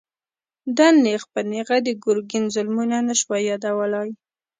ده نېغ په نېغه د ګرګين ظلمونه نه شوای يادولای.